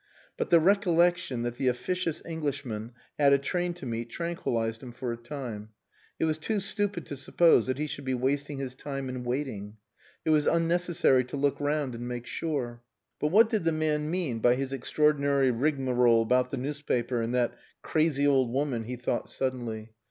But the recollection that the officious Englishman had a train to meet tranquillized him for a time. It was too stupid to suppose that he should be wasting his time in waiting. It was unnecessary to look round and make sure. But what did the man mean by his extraordinary rigmarole about the newspaper, and that crazy old woman? he thought suddenly.